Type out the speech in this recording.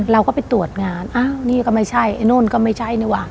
เราก็ไปตรวจงานนี่ก็ไม่ใช่นั่นก็ไม่ใช่